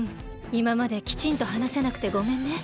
いままできちんとはなせなくてごめんね。